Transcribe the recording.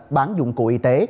bán dụng cụ y tế